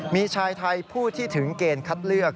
มีชายไทยผู้ที่ถึงเกณฑ์คัดเลือก